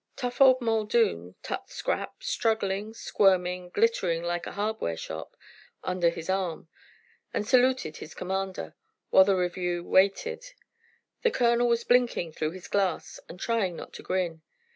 Tough old Muldoon tucked Scrap, struggling, squirming, glittering like a hardware shop, under his arm, and saluted his commander, while the review waited. The colonel was blinking through his glass and trying not to grin.